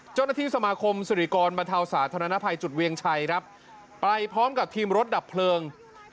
เจ้าหน้าที่สมาคมสิริกรบรรเทาสาธารณภัยจุดเวียงชัยครับไปพร้อมกับทีมรถดับเพลิง